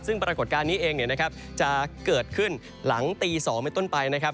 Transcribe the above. ซึ่งปรากฏการณ์นี้เองเนี่ยนะครับจะเกิดขึ้นหลังตี๒ในต้นไปนะครับ